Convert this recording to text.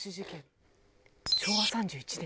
昭和３１年。